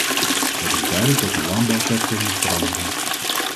Het is duidelijk dat de landbouwsector moet veranderen.